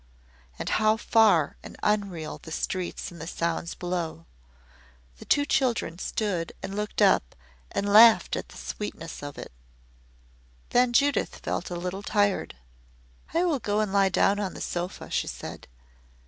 And how far and unreal the streets and sounds below. The two children stood and looked up and laughed at the sweetness of it. Then Judith felt a little tired. "I will go and lie down on the sofa," she said.